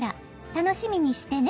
「楽しみにしてね」